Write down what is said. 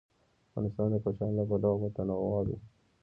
افغانستان د کوچیان له پلوه متنوع دی.